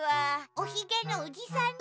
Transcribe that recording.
おひげのおじさんね。